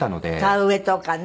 田植えとかね。